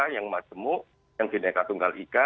yang macemuk yang genetika tunggal ika